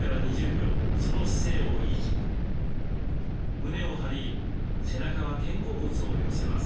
胸を張り背中は肩甲骨を寄せます。